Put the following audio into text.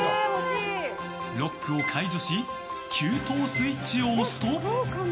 ロックを解除し給湯スイッチを押すと。